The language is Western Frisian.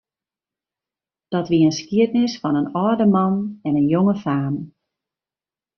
Dat wie in skiednis fan in âlde man en in jonge faam.